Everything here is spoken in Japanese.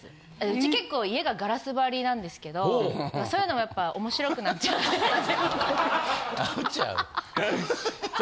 うち結構家がガラス張りなんですけどそういうのもやっぱ面白くなっちゃって全部こうやって。